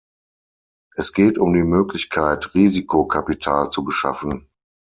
Es geht um die Möglichkeit, Risikokapital zu beschaffen.